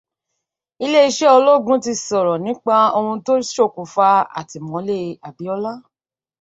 Ilé iṣé ológun tí sòrò nípa òhun tó ṣokunfa atímọlè Abíọ́lá